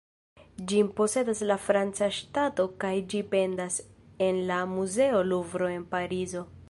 Ĝin posedas la franca ŝtato kaj ĝi pendas en la muzeo Luvro en Parizo.